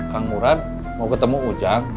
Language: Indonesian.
kang murad mau ketemu ujang